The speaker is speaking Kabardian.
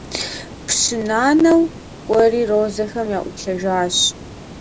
Пщы Нэнау кӀуэри розэхэм яӀуплъэжащ.